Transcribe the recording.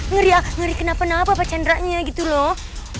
ngeri ngeri kenapa kenapa pak chandra nya gitu loh